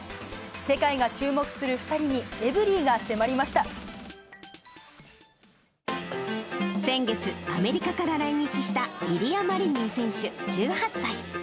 世界が注目する２人に、エブリィ先月、アメリカから来日したイリア・マリニン選手１８歳。